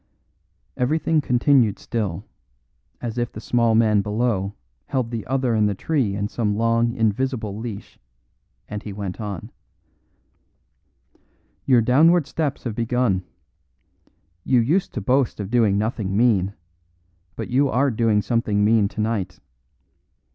Everything continued still, as if the small man below held the other in the tree in some long invisible leash; and he went on: "Your downward steps have begun. You used to boast of doing nothing mean, but you are doing something mean tonight.